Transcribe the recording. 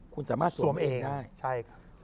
คุณสามารถสวมเองได้ใช่ครับสวมเองได้